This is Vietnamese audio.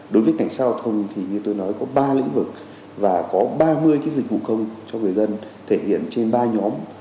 đối với cảnh sát giao thông thì như tôi nói có ba lĩnh vực và có ba mươi cái dịch vụ công cho người dân thể hiện trên ba nhóm